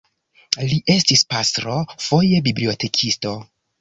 Li estis pastro, foje bibliotekisto.